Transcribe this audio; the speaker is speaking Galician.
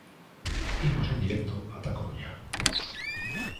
Imos en directo ata A Coruña.